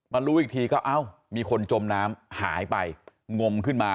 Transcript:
รู้อีกทีก็เอ้ามีคนจมน้ำหายไปงมขึ้นมา